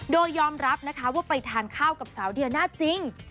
โดยยอมรับนะคะว่าไปทานข้าวกับสาวเดียน่าจริง